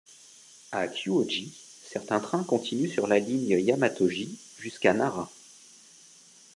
A Kyūhōji, certains trains continuent sur la ligne Yamatoji jusqu'à Nara.